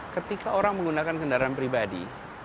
ketika orang menggunakan kendaraan pribadi